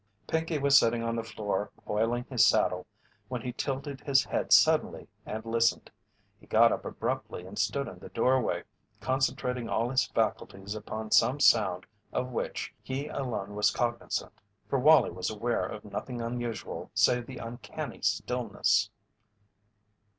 Pinkey was sitting on the floor oiling his saddle when he tilted his head suddenly, and listened. He got up abruptly and stood in the doorway, concentrating all his faculties upon some sound of which he alone was cognizant, for Wallie was aware of nothing unusual save the uncanny stillness.